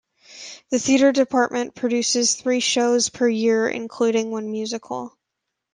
The Theater Department produces three shows per year, including one musical.